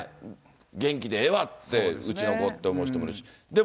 元気でええわって、うちの子って思う人もいるし。